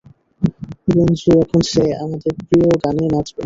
গুঞ্জু এখন সে আমাদের প্রিয় গানে নাচবে!